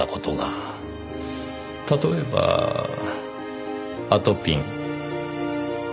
例えばあとぴん。